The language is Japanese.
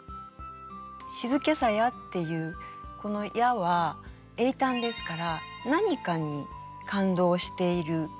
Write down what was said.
「静けさや」っていうこの「や」は詠嘆ですから何かに感動している。